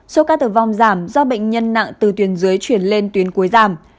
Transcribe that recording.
số ca tử vong giảm do bệnh nhân nặng từ tuyến dưới chuyển lên tuyến cuối giảm